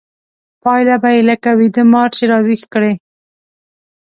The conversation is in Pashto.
پايله به يې لکه ويده مار چې راويښ کړې.